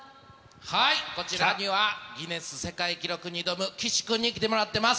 こちらには、ギネス世界記録に挑む岸君に来てもらってます。